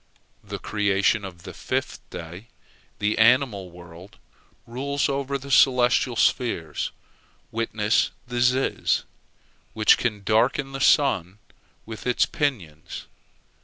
The creation of the fifth day, the animal world, rules over the celestial spheres. Witness the ziz, which can darken the sun with its pinions.